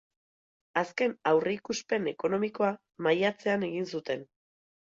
Azken aurreikuspen ekonomikoa maiatzean egin zuten.